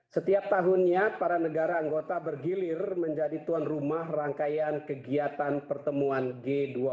setiap tahunnya para negara anggota bergilir menjadi tuan rumah rangkaian kegiatan pertemuan g dua puluh